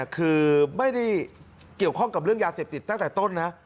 คือไม่ได้เกี่ยวข้องกับเรื่องยาเสพติดตั้งแต่ต้นนะ